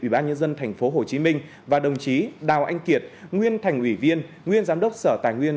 ủy ban nhân dân tp hcm và đồng chí đào anh kiệt nguyên thành ủy viên nguyên giám đốc sở tài nguyên